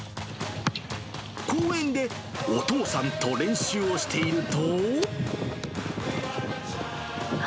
公園でお父さんと練習をしているあ！